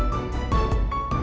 aku mau kasih tau